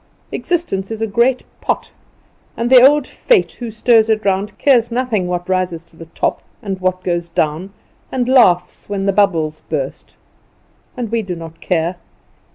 Existence is a great pot, and the old Fate who stirs it round cares nothing what rises to the top and what goes down, and laughs when the bubbles burst. And we do not care.